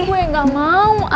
gue gak mau